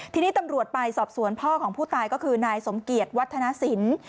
ทีนี้ตำรวจไปสอบสวนพ่อของผู้ตายก็คือนายสมเกียจวัฒนศิลป์